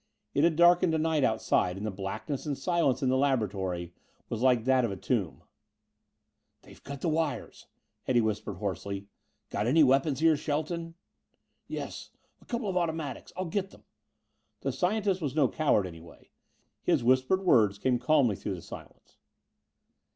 It had darkened to night outside and the blackness and silence in the laboratory was like that of a tomb. "They've cut the wires," Eddie whispered hoarsely. "Got any weapons here, Shelton?" "Yes. A couple of automatics. I'll get them." The scientist was no coward, anyway. His whispered words came calmly through the silence.